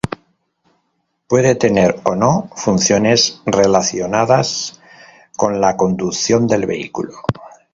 Puede tener o no funciones relacionadas con la conducción del vehículo.